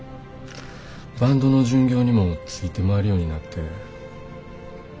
バンドの巡業にもついて回るようになって。